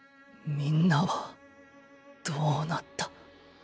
みんなはどうなった？